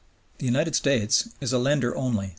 The United States is a lender only.